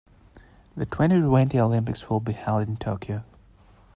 The twenty-twenty Olympics will be held in Tokyo.